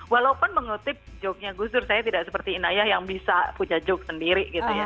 walaupun mengutip joke nya gus dur saya tidak seperti inaya yang bisa punya joke sendiri gitu ya